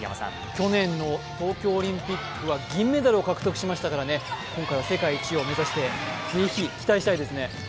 去年の東京オリンピックは銀メダルを獲得しましたからね、今回は世界１位を目指して是非、期待したいですね。